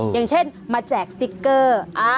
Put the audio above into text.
อย่างเช่นมาแจกสติ๊กเกอร์